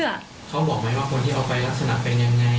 เขาบอกไหมว่าคนที่เอาไปลักษณะเป็นยังไง